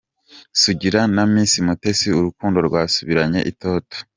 Sugira na misi mutesi urukundo rwasubiranye itoto